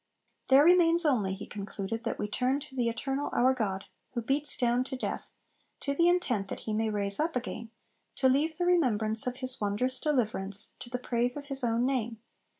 There remains only, he concluded, 'that we turn to the Eternal our God, who beats down to death, to the intent that he may raise up again, to leave the remembrance of his wondrous deliverance, to the praise of his own name